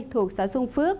thuộc xã xuân phước